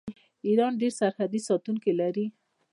ایران ډیر سرحدي ساتونکي لري.